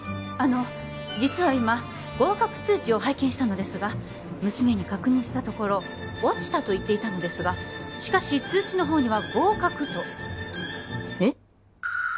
あの実は今合格通知を拝見したのですが娘に確認したところ落ちたと言っていたのですがしかし通知のほうには合格とえっ？